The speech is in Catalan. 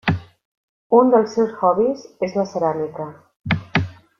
Un dels seus hobbies és la ceràmica.